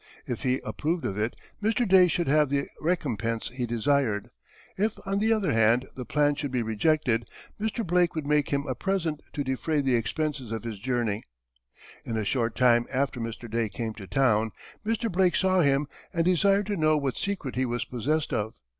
If he approved of it, Mr. Day should have the recompence he desired; if, on the other hand, the plan should be rejected, Mr. Blake would make him a present to defray the expences of his journey. In a short time after Mr. Day came to town; Mr. Blake saw him and desired to know what secret he was possessed of.